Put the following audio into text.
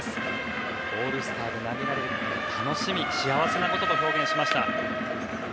オールスターで投げられることは楽しみ幸せなことと表現しました。